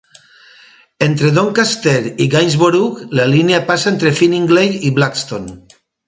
Entre Doncaster i Gainsborough la línia passa entre Finningley i Blaxton.